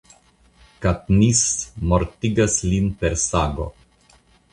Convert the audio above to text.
Katniss mortigas lin per sago.